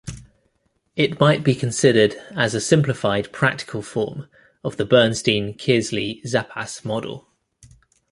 It might be considered as a simplified practical form of the Bernstein-Kearsley-Zapas model.